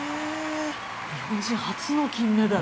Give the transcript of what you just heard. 日本人初の金メダル。